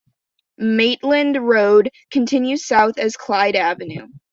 Maitland Road continues south as Clyde Avenue.